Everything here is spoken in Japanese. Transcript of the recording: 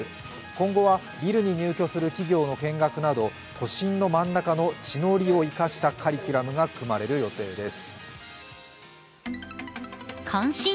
今後は、ビルに入居する企業の見学など都心の真ん中の地の利を生かしたカリキュラムが組まれる予定です。